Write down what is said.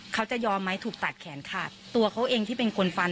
เขาจะยอมไหมถูกตัดแขนขาดตัวเขาเองที่เป็นคนฟัน